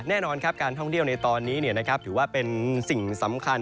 แน่นอนครับการท่องเที่ยวในตอนนี้ถือว่าเป็นสิ่งสำคัญ